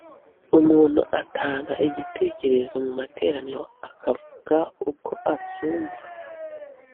Umuntu atanga igitekerezo mu materaniro akavuga uko byumva